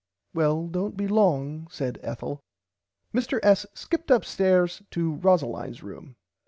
Well dont be long said Ethel. Mr S. skipped upstairs to Rosalinds room.